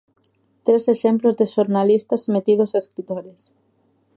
Tres exemplos de xornalistas metidos a escritores.